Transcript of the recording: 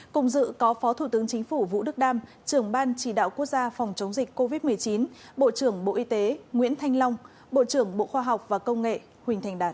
cùng dự có phó thủ tướng chính phủ vũ đức đam trưởng ban chỉ đạo quốc gia phòng chống dịch covid một mươi chín bộ trưởng bộ y tế nguyễn thanh long bộ trưởng bộ khoa học và công nghệ huỳnh thành đạt